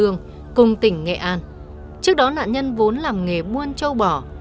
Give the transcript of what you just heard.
nạn nhân vốn làm nghề muôn châu bỏ